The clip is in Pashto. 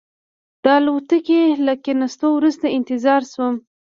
د الوتکې له کېناستو وروسته انتظار شوم.